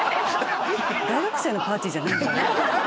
大学生のパーティーじゃないんだから。